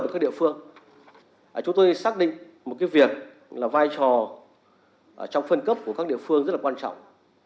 chúng tôi xác định một cái việc là vai trò trong phân cấp của các địa phương rất là quan trọng